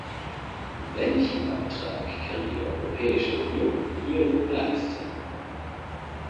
Welchen Beitrag kann die Europäische Union hier nun leisten?